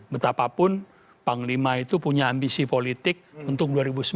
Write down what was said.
betapapun panglima itu punya ambisi politik untuk dua ribu sembilan belas